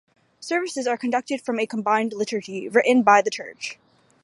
Services are conducted from a combined liturgy, written by the church.